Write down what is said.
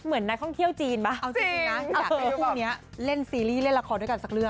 เหมือนนักท่องเที่ยวจีนป่ะเอาจริงนะอยากให้คู่นี้เล่นซีรีส์เล่นละครด้วยกันสักเรื่อง